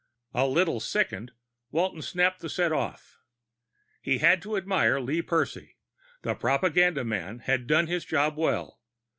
A little sickened, Walton snapped the set off. He had to admire Lee Percy; the propaganda man had done his job well.